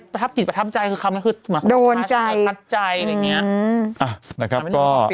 ประทับจิตประทับใจคือคำนั้นคือเหมือนกับภาษาแบบทัศน์ใจอะไรอย่างนี้